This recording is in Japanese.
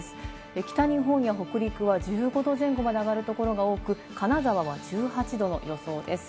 北日本や北陸は１５度前後まで上がる所が多く、金沢は１８度の予想です。